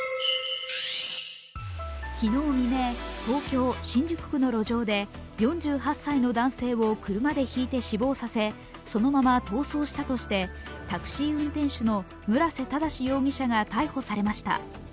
昨日未明、東京・新宿区の路上で４８歳の男性を車でひいて死亡させそのまま逃走したとしてタクシー運転手の村瀬正容疑者が逮捕されました。